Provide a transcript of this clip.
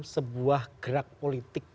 sebuah gerak politik